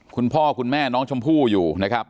คุณพ่อคุณแม่น้องชมพู่อยู่นะครับ